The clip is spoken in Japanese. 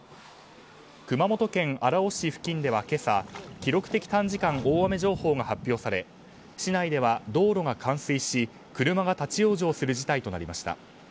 熊本県荒尾市付近では今朝記録的短時間大雨情報が発表され市内では道路が冠水し車が立ち往生する事態となりました。